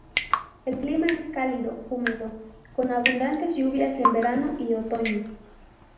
El clima es cálido-húmedo, con abundantes lluvias en verano y otoño.